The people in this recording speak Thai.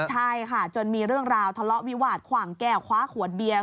ใช่ค่ะจนมีเรื่องราวทะเลาะวิวาดขวางแก้วคว้าขวดเบียร์